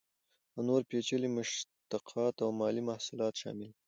او نور پیچلي مشتقات او مالي محصولات شامل دي.